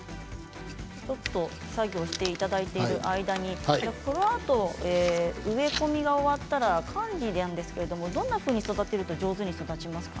作業していただいてる間にこのあと植え込みが終わったら管理なんですがどんなふうに育てると上手に育ちますか？